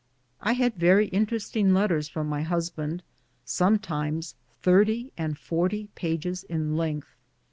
I had very interesting letters from my husband, sometimes thirty and forty pages in length.